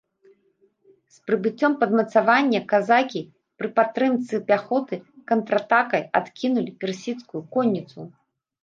З прыбыццём падмацавання казакі, пры падтрымцы пяхоты, контратакай адкінулі персідскую конніцу.